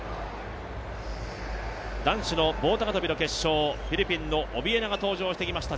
男子の棒高跳の決勝、フィリピンのオビエナが登場してきました。